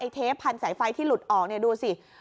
ไม่รู้ว่าไอเทปพันสายไฟที่หลุดออกเนี่ยดูสิ